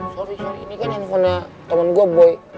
sorry shor ini kan handphonenya temen gue boy